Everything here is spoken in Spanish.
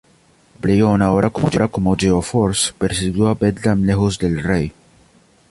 Brion ahora como Geo-Force, persiguió a Bedlam lejos del rey.